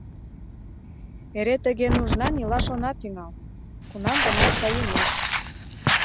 Эре тыге нужнан илаш она тӱҥал, кунам-гынат саемеш.